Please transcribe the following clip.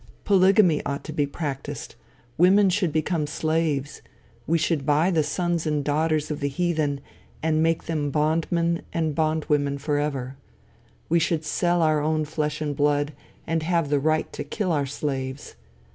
Polygamy ought to be practiced; women should become slaves; we should buy the sons and daughters of the heathen and make them bondmen and bondwomen forever. We should sell our own flesh and blood, and have the right to kill our slaves.